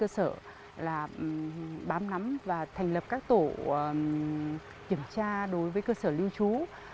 cơ sở là bám nắm và thành lập các tổ kiểm tra đối với cơ sở lưu trú